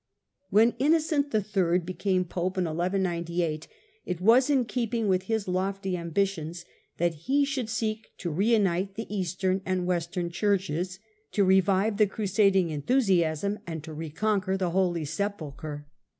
When Innocent III. became Pope in 1198 it was in innocent keeping with his lofty ambitions that he should seek to the Fom th reunite the Eastern and Western churches, to revive the ^^^^^^^ crusading enthusiasm, and to reconquer the Holy Sepul chre.